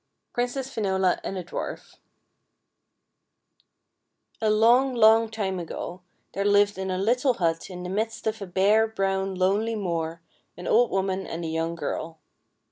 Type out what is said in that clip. PRINCESS FINOLA AND THE DWARF ALONG, long time ago there lived in a little hut in the midst of a bare, brown, lonely moor an old woman and a young girl.